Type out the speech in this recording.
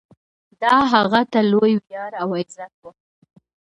دا هغه ته لوی ویاړ او عزت و.